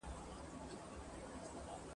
ته به کچکول را ډکوې یو بل به نه پېژنو !.